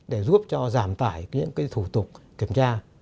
để giúp cho giảm tải những thủ tục kiểm tra